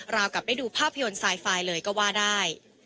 เรากับได้ดูภาพยนต์ไซว์ไฟเลยก็ว่าได้